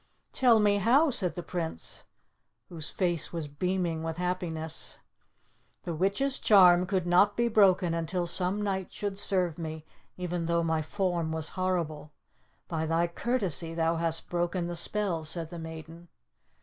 "Tell me how," said the Prince, whose face was beaming with happiness. "The witch's charm could not be broken until some knight should serve me, even though my form was horrible. By thy courtesy thou hast broken the spell," said the maiden.